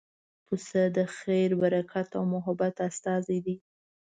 پسه د خیر، برکت او محبت استازی دی.